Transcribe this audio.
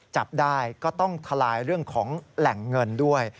จับได้ก็ต้องทลายเรื่องของแหล่งเงินด้วย